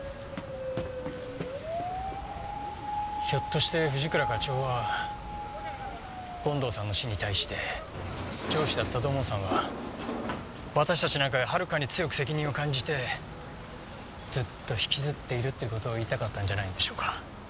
ひょっとして藤倉課長は権藤さんの死に対して上司だった土門さんは私たちなんかよりはるかに強く責任を感じてずっと引きずっているっていう事を言いたかったんじゃないんでしょうか。